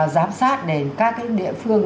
giám sát đến các địa phương